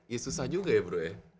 ya susah juga ya bro ya